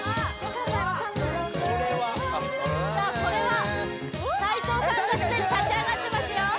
これは斎藤さんがすでに立ち上がってますよ